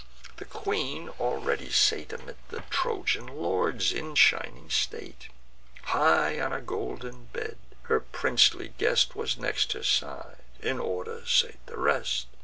The queen already sate Amidst the Trojan lords, in shining state, High on a golden bed: her princely guest Was next her side; in order sate the rest.